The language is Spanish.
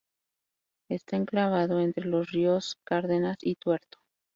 Está enclavado entre los ríos Cárdenas y Tuerto.